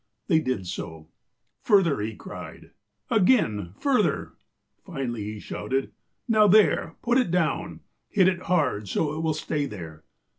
They did so. " 'Further,' he cried. '' Again :' Further. ''^ Finally he shouted :' Now, there — put it down. Hit it hard, so it will stay there.'